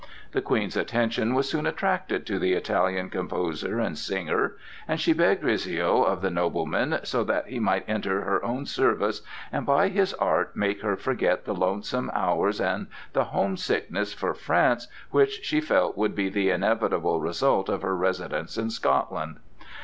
The Queen's attention was soon attracted to the Italian composer and singer, and she begged Rizzio of the nobleman, so that he might enter her own service and by his art make her forget the lonesome hours and the homesickness for France which she felt would be the inevitable result of her residence in Scotland.